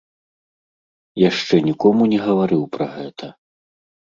Яшчэ нікому не гаварыў пра гэта.